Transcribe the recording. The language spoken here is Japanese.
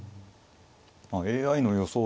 ＡＩの予想